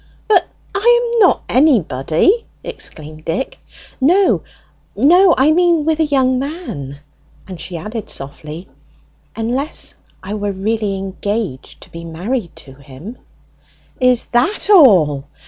"But I am not any body!" exclaimed Dick. "No, no, I mean with a young man;" and she added softly, "unless I were really engaged to be married to him." "Is that all?